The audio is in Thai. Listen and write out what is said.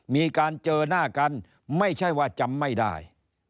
มีการเจอหน้ากันไม่ใช่ว่าจำไม่ได้